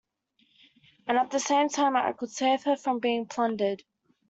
And at the same time I could save her from being plundered.